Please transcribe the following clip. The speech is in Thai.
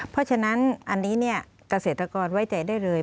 เพราะฉะนั้นอันนี้เกษตรกรไว้ใจได้เลย